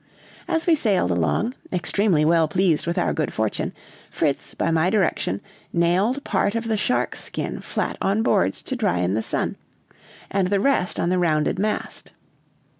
As we sailed along, extremely well pleased with our good fortune, Fritz, by my direction, nailed part of the shark's skin flat on boards to dry in the sun, and the rest on the rounded mast.